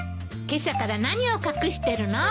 今朝から何を隠してるの？